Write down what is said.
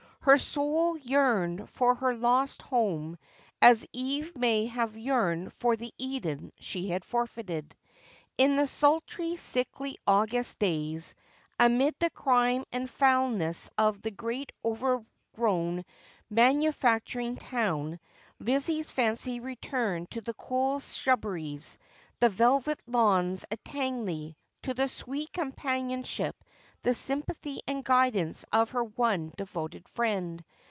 Her soul yearned for her lost home as Eve may have yearned for the Eden she had forfeited. In the sultry, sickly August days, amid the crime and foulness of the great overgrown ruauu faciuring town. Lizzie's fancy returned to the cool shrubberies, the velvet lawns at Tangley. to the sweet companionship, the sympathy and guidance of her one devoted friend.